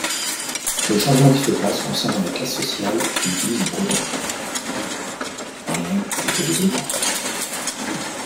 les changements qui se passent concernant les classes sociales qui utilisent le breton (en lien avec le deuxièrme point).